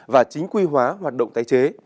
và chính quy hoá hoạt động tái chế